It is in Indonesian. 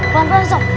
tuh tuh tuh